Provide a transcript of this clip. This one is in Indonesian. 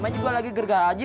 masih gue lagi wellington